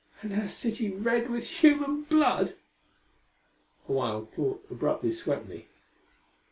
And our city red with human blood!" A wild thought abruptly swept me.